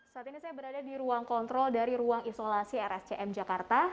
saat ini saya berada di ruang kontrol dari ruang isolasi rscm jakarta